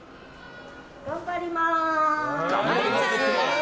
頑張ります！